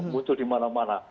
muncul di mana mana